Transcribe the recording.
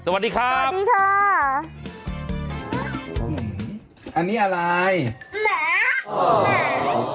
สวัสดีครับสวัสดีค่ะสวัสดีค่ะสวัสดีค่ะ